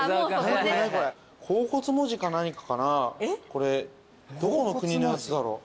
これどこの国のやつだろう。